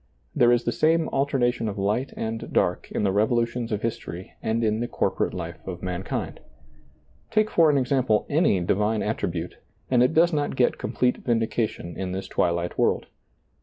There is the same alternation of light and dark in the revolutions of history and in the corporate life of mankind. Take for an ex ample any divine attribute, and it does not get complete vindication in this twilight world.